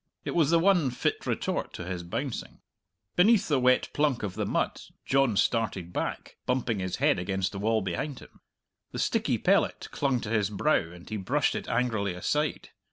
It was the one fit retort to his bouncing. Beneath the wet plunk of the mud John started back, bumping his head against the wall behind him. The sticky pellet clung to his brow, and he brushed it angrily aside.